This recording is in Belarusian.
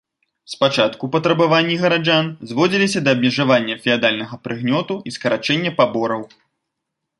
Спачатку патрабаванні гараджан зводзіліся да абмежавання феадальнага прыгнёту і скарачэння пабораў.